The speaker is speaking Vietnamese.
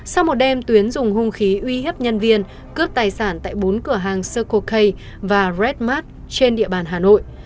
sau một đêm tuyến dùng hung khí uy hiếp nhân viên cướp tài sản tại bốn cửa hàng circle k và red mart trên địa bàn hà nội